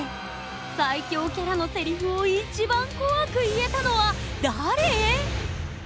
最恐キャラのセリフを一番怖く言えたのは誰？